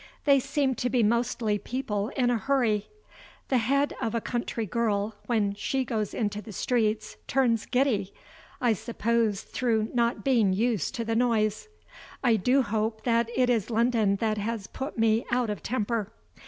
They seem to be mostly people in a hurry. The head of a country girl, when she goes into the streets, turns giddy I suppose through not being used to the noise. I do hope that it is London that has put me out of temper.